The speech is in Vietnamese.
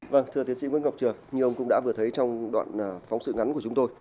vâng thưa tiến sĩ nguyễn ngọc trường như ông cũng đã vừa thấy trong đoạn phóng sự ngắn của chúng tôi